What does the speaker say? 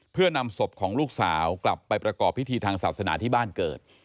เพื่อนำศพของลูกสาวกลับไปประกอบพิธีทางศาสนาที่บ้านเกิด